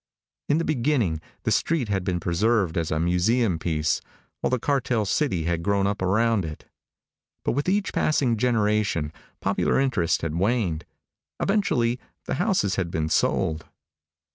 In the beginning the street had been preserved as a museum piece while the cartel city had grown up around it. But with each passing generation, popular interest had waned. Eventually the houses had been sold.